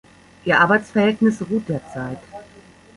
Ihr Arbeitsverhältnis ruht derzeit.